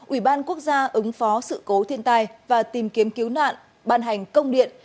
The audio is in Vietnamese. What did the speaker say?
ủy ban quốc gia ứng phó sự cố thiên tai và tìm kiếm cứu nạn ban hành công điện